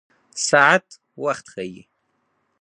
ساعت وخت ښيي